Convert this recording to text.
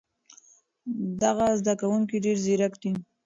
دغه زده کوونکی ډېر ځیرک دی.